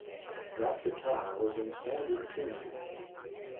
That guitar was in standard tuning.